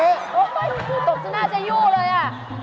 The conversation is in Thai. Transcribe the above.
โอ้ไม่ผมตกชื่อน่าจะยู้เลย